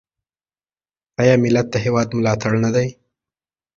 آیا ملت د هیواد ملاتړی نه دی؟